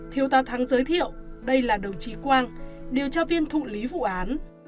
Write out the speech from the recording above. thiếu tá thắng giới thiệu đây là đồng chí quang điều tra viên thụ lý vụ án